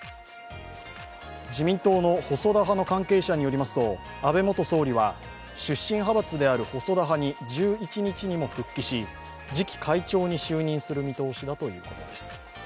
自民党の細田派の関係者によりますと、安倍元総理は出身派閥である細田派に１１日にも復帰し次期会長に就任する見通しだということです。